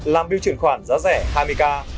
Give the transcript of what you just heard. làm biêu chuyển khoản giá rẻ hai mươi k